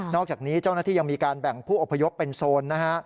อกจากนี้เจ้าหน้าที่ยังมีการแบ่งผู้อพยพเป็นโซนนะฮะ